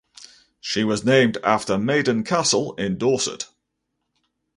She was named after Maiden Castle in Dorset.